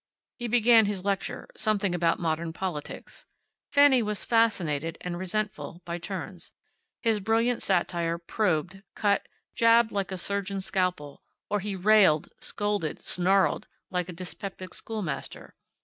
He began his lecture something about modern politics. Fanny was fascinated and resentful by turns. His brilliant satire probed, cut, jabbed like a surgeon's scalpel; or he railed, scolded, snarled, like a dyspeptic schoolmaster.